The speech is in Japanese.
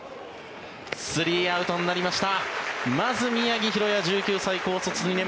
３アウトになりました。